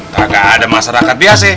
kagak ada masyarakat biasa